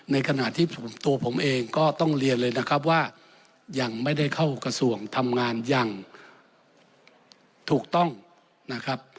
ในขณะที่ตัวผมเองก็ต้องเรียนเลยนะครับว่ายังไม่ได้เข้ากระทรวงทำงานอย่างถูกต้องนะครับ